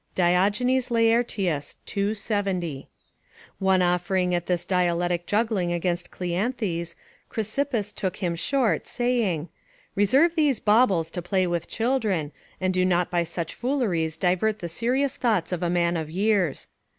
[Diogenes Laertius, ii. 70.] One offering at this dialectic juggling against Cleanthes, Chrysippus took him short, saying, "Reserve these baubles to play with children, and do not by such fooleries divert the serious thoughts of a man of years."